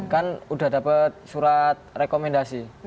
kan udah dapet surat rekomendasi